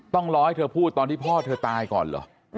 ต้องรอให้เธอพูดตอนที่พ่อเธอตายก่อนเหรอ